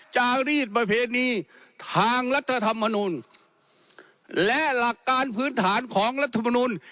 จารีดประเพณีทางรัฐธรรมนูลและหลักการพื้นฐานของรัฐมนุน